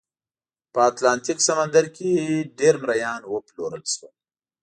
په اتلانتیک سمندر کې ډېر مریان وپلورل شول.